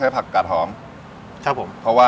ผัก๓๐๐กรัมครับ